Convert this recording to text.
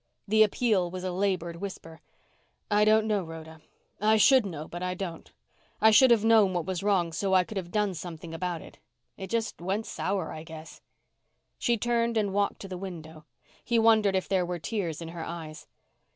The appeal was a labored whisper. "I don't know, Rhoda. I should know but I don't. I should have known what was wrong so I could have done something about it. It just went sour, I guess." She turned and walked to the window. He wondered if there were tears in her eyes.